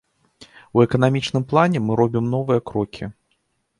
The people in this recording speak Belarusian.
У эканамічным плане мы робім новыя крокі.